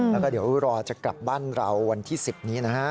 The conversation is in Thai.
แล้วก็เดี๋ยวรอจะกลับบ้านเราวันที่๑๐นี้นะฮะ